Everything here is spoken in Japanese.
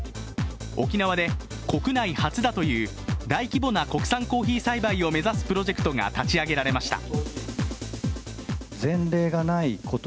沖縄で国内初だという大規模な国産コーヒー栽培を目指すプロジェクトが立ち上げられました。